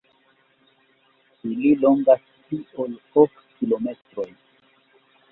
Ili longas pli ol ok kilometrojn.